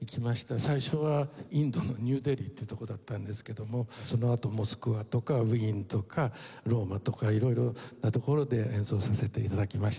最初はインドのニューデリーって所だったんですけどもそのあとモスクワとかウィーンとかローマとか色々な所で演奏させて頂きました。